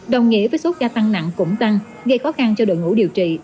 đồng nghĩa với số ca tăng nặng cũng tăng gây khó khăn cho đội ngũ điều trị